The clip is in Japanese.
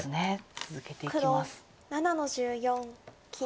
続けていきます。